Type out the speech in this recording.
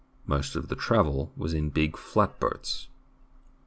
Most of the travel was in big flatboats.